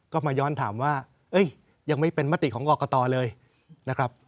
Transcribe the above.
ก็มาย้อนถามว่ายังไม่เป็นมติของกรกตเลยนะครับ